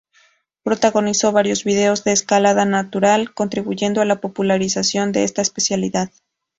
Protagonizó varios vídeos de escalada natural contribuyendo a la popularización de esta especialidad.